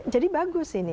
jadi bagus ini